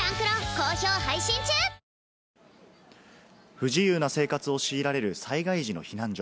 不自由な生活を強いられる災害時の避難所。